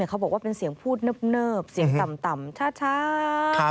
เขาบอกว่าเป็นเสียงพูดเนิบเสียงต่ำช้า